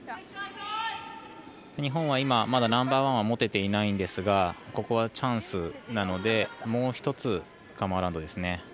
日本はまだナンバーワンは持てていないんですがここはチャンスなのでもう１つカム・アラウンドです。